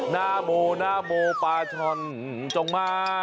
นาโมนาโมปลาช่อนจงมา